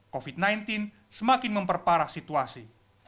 covid sembilan belas semakin memperparah situasi